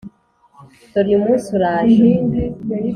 dore uyu munsi uraje.